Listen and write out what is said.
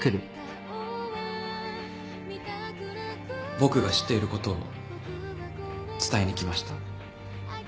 僕が知っていることを伝えに来ました。